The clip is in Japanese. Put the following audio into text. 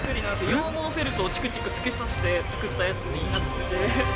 羊毛フェルトを、ちくちく突き刺して作ったやつになってて。